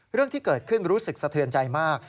เรื่องที่เกิดขึ้นรู้สึกสะเทือนใจมาก